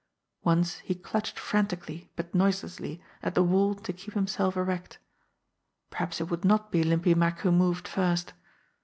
Once he clutched frantically, but noiselessly, at the wall to keep himself erect. Perhaps it would not be Limpy Mack who moved first!